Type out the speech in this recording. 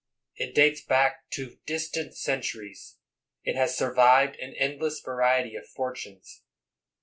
It dates back to distant centuries; it has survived an endless variety of fortunes.